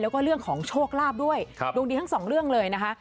แล้วก็เรื่องของโชคลาภด้วยดวงดีทั้งสองเรื่องเลยนะคะ